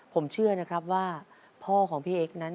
ผมเชื่อนะครับว่าพ่อของพี่เอ็กซนั้น